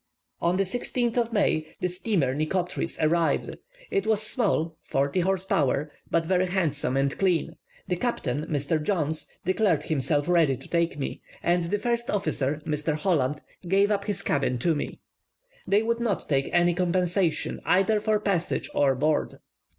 On the 16th of May, the steamer Nitocris arrived. It was small (forty horse power), but very handsome and clean; the captain, Mr. Johns, declared himself ready to take me, and the first officer, Mr. Holland, gave up his cabin to me. They would not take any compensation either for passage or board.